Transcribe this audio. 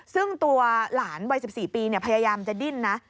ซึ่งตัวหลานวัย๑๔ปีพยายามจะดิ้นนะ